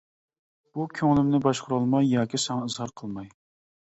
بۇ كۆڭلۈمنى باشقۇرالماي، ياكى ساڭا ئىزھار قىلماي.